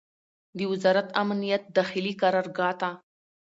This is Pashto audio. د وزارت امنیت داخلي قرارګاه ته